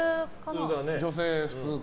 女性、普通か。